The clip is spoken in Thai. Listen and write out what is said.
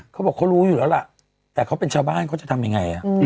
เขาบอกเขารู้อยู่แล้วล่ะแต่เขาเป็นชาวบ้านเขาจะทำยังไง